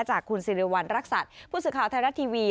จากคุณสิริวัณรักษัตริย์ผู้สื่อข่าวไทยรัฐทีวี